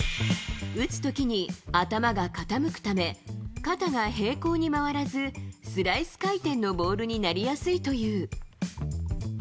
打つときに頭が傾くため、肩が平行に回らず、スライス回転のボールになりやすいという。